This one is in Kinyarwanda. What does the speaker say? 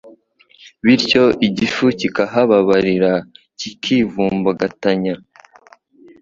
Bityo igifu kikahababarira, kikivumbagatanya,